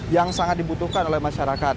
yang sangat dibutuhkan oleh masyarakat